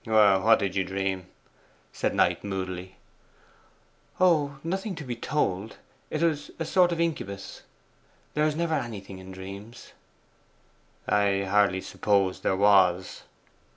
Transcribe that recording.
'What did you dream?' said Knight moodily. 'Oh, nothing to be told. 'Twas a sort of incubus. There is never anything in dreams.' 'I hardly supposed there was.